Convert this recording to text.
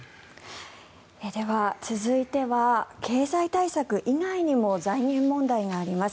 では続いては経済対策以外にも財源問題があります。